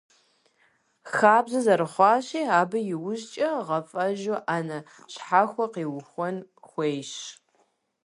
Хабзэ зэрыхъуащи, абы иужькӀэ гъэфӀэжу Ӏэнэ щхьэхуэ къиухуэн хуейщ.